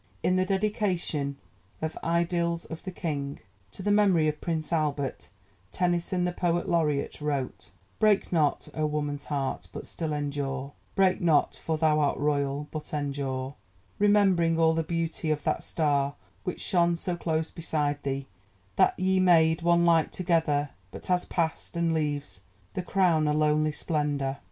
In the dedication of Idylls of the King to the memory of Prince Albert, Tennyson, the poet laureate, wrote: Break not, O woman's heart, but still endure; Break not, for thou art Royal, but endure, Remembering all the beauty of that star Which shone so close beside Thee that ye made One light together, but has past and leaves The Crown a lonely splendour.